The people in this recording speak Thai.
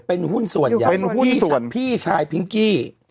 เป็นหุ้นส่วนอย่างพี่ชายพิงกี้